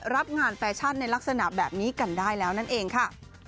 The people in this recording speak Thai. รับงานแฟชั่นในลักษณะแบบนี้กันได้แล้วนั่นเองค่ะ